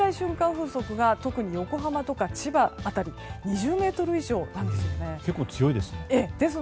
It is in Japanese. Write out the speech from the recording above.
風速が特に横浜とか千葉辺りでは２０メートル以上なんです。